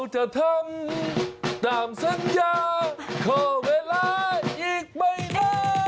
จะทำตามสัญญาเข้าเวลาอีกไม่ได้